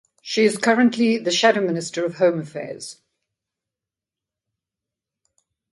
She is currently the Shadow Minister of Home Affairs.